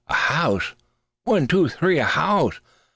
"A house? One, two, three! A house?